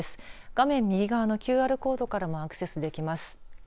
画面右側のＱＲコードからもアクセスできます。